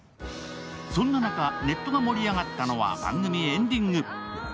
そんな中、ネットが盛り上がったのは番組エンディング。